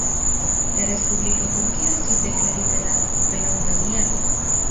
La Respubliko Turkio estis deklarita la venontan jaron.